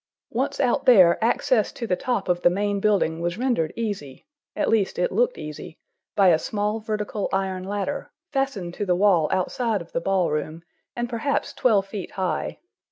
Once out there, access to the top of the main building was rendered easy—at least it looked easy—by a small vertical iron ladder, fastened to the wall outside of the ball room, and perhaps twelve feet high.